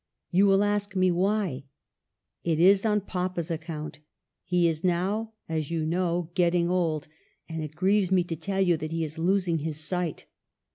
You will ask me why ? It is on papa's account ; he is now, as you know, getting old ; and it grieves me to tell you that he is losing his sight.